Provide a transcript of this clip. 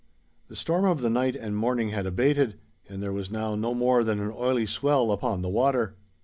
The storm of the night and morning had abated, and there was now no more than an oily swell upon the water.